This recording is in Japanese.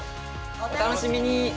お楽しみに！